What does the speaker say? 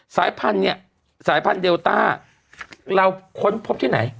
สายพันธุ์เนี่ยสายพันธุเดลต้าเราค้นพบที่ไหน